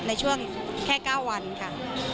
ในช่วงแค่๙วันค่ะ